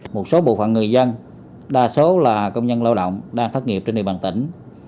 một số bộ phận người dân đa số là công nhân lao động đang thất nghiệp trên địa bàn tỉnh